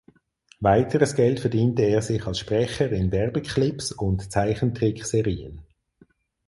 Weiteres Geld verdiente er sich als Sprecher in Werbeclips und Zeichentrickserien.